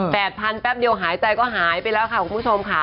พันแป๊บเดียวหายใจก็หายไปแล้วค่ะคุณผู้ชมค่ะ